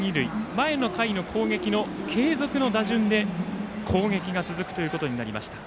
前の回の攻撃の継続の打順で攻撃が続くことになりました。